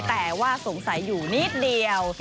แต่ว่าสงสัยอยู่นิดเดียว